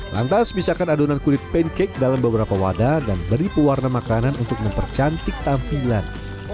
lantas pisahkan adonan kulit pancake dalam beberapa wadah dan beri pewarna makanan untuk mempercantik tampilan